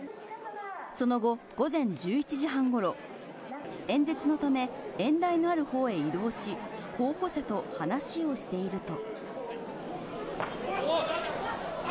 その後、午前１１時半ごろ、演説のため、演台のあるほうへ移動し、候補者と話をしていると。